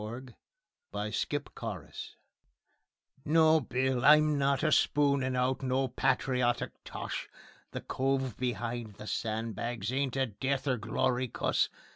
A Song of the Sandbags No, Bill, I'm not a spooning out no patriotic tosh (The cove be'ind the sandbags ain't a death or glory cuss).